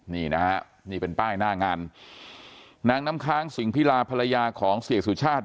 นี่นะฮะนี่เป็นป้ายหน้างานนางน้ำค้างสิงพิลาภรรยาของเสียสุชาติ